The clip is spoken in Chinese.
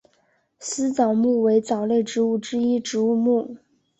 丝藻目为藻类植物之一植物目。